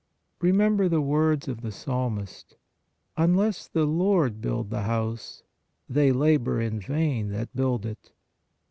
Remem ber the words of the psalmist : Unless the Lord build the house, they labor in vain that build it (Ps.